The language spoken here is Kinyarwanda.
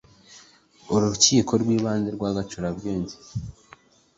urukiko rw’ibanze rwa gacurabwenge